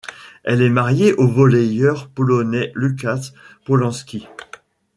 Elle est mariée au volleyeur polonais Łukasz Polański.